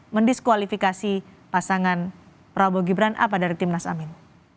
mendiskualifikasi pasangan prabowo gibran apa dari timnas amin